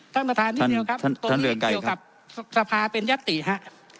ท่านประธานนิดเดียวครับตรงนี้เกี่ยวกับสภาเป็นยัตติฮะ